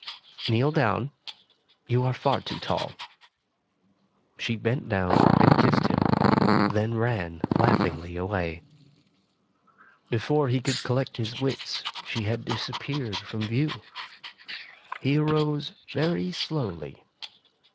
Kneel down. You are far too tall." She bent down and kissed him, then ran laughingly away. Before he could collect his wits, she had disappeared from view. He arose very slowly.